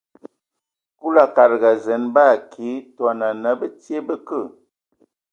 Kulu a kadag e zen ba akii, tɔ ana bə tie, bə kə.